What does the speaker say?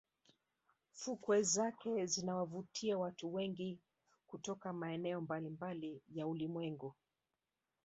Fukwe zake zinawavutia watu wengi kutoka maeneo mbalimbali ya ulimwengu